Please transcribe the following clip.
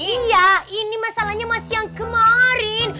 iya ini masalahnya masih yang kemarin